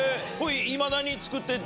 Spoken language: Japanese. いまだに作ってんの？